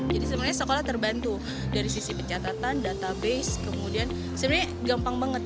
jadi sebenarnya sekolah terbantu dari sisi pencatatan database kemudian sebenarnya gampang banget